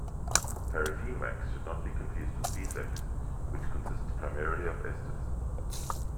Paraffin wax should not be confused with beeswax, which consists primarily of esters.